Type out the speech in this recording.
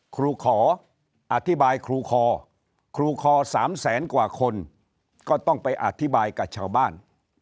ครูขออธิบายครูคอครูคอ๓แสนกว่าคนก็ต้องไปอธิบายกับชาวบ้าน